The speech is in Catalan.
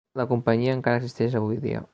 La companyia encara existeix avui dia.